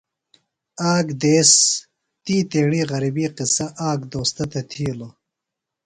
آک دیس تی تیݨیۡ غربی قصہ آک دوستہ تھےۡ تِھیلوۡ۔